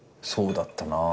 そうだったな。